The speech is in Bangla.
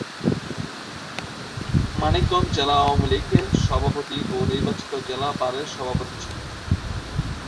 মানিকগঞ্জ জেলা আওয়ামী লীগের সভাপতির ও নির্বাচিত জেলা বারের সভাপতি ছিলেন।